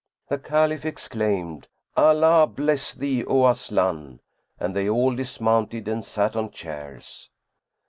The Caliph exclaimed, "Allah bless thee, O Aslan!" and they all dismounted and sat on chairs.